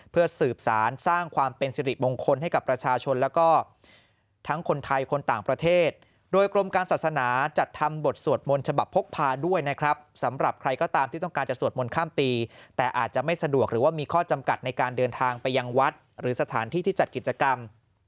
เพื่อสืบสารสร้างความเป็นสิริมงคลให้กับประชาชนแล้วก็ทั้งคนไทยคนต่างประเทศโดยกรมการศาสนาจัดทำบทสวดมนต์ฉบับพกพาด้วยนะครับสำหรับใครก็ตามที่ต้องการจะสวดมนต์ข้ามปีแต่อาจจะไม่สะดวกหรือว่ามีข้อจำกัดในการเดินทางไปยังวัดหรือสถานที่ที่จัดกิจกรรม